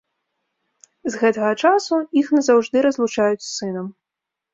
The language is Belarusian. З гэтага часу іх назаўжды разлучаюць з сынам.